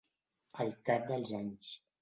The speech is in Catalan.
Al cap dels anys.